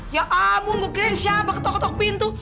ya abu gue kira ini siapa ketok ketok pintu